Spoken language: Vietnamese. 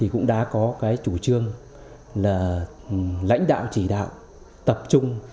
cũng đã có chủ trương là lãnh đạo chỉ đạo tập trung